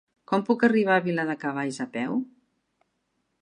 Com puc arribar a Viladecavalls a peu?